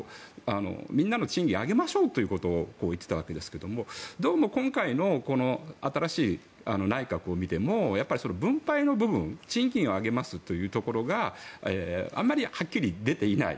みんなの賃金を上げましょうということを言っていたわけですがどうも今回の新しい内閣を見てもやっぱり分配の部分賃金を上げますという部分があんまりはっきり出ていない。